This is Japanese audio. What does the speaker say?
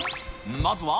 まずは。